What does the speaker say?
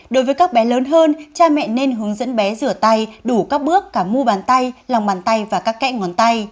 đối với các bé lớn hơn cha mẹ nên hướng dẫn bé rửa tay đủ các bước cả mua bàn tay lòng bàn tay và các kẽ ngón tay